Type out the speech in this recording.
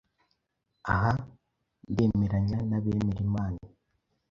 Aha ndemeranya n’abemera Imana